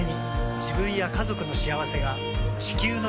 自分や家族の幸せが地球の幸せにつながっている。